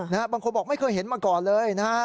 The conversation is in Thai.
บางคนบอกไม่เคยเห็นมาก่อนเลยนะฮะ